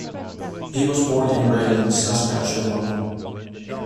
He was born in Rhein, Saskatchewan.